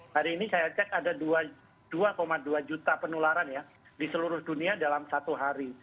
hari ini saya cek ada dua dua juta penularan ya di seluruh dunia dalam satu hari